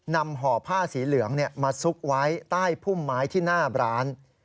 ห่อผ้าสีเหลืองมาซุกไว้ใต้พุ่มไม้ที่หน้าร้าน